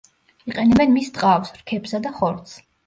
იყენებენ მის ტყავს, რქებსა და ხორცს.